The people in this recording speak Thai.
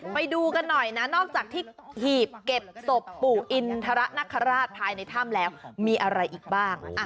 ไปดูกันหน่อยนะนอกจากที่หีบเก็บศพปู่อินทรนคราชภายในถ้ำแล้วมีอะไรอีกบ้าง